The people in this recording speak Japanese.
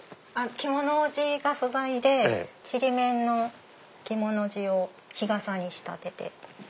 着物地が素材でちりめんの着物地を日傘に仕立てて。